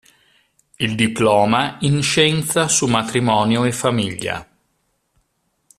Il diploma in scienza su Matrimonio e Famiglia.